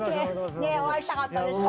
お会いしたかったです。